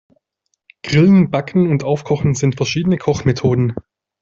Grillen, Backen und Aufkochen sind verschiedene Kochmethoden.